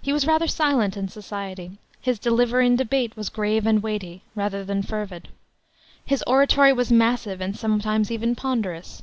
He was rather silent in society; his delivery in debate was grave and weighty, rather than fervid. His oratory was massive and sometimes even ponderous.